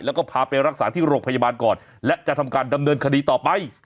แล้วก็พาไปรักษาที่โรงพยาบาลก่อนและจะทำการดำเนินคดีต่อไป